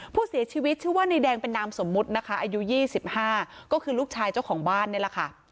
ผู้เสียชีวิตชื่อว่านายแดงเป็นนามสมมุตินะคะอายุ๒๕ก็คือลูกชายเจ้าของบ้านนี่แหละค่ะ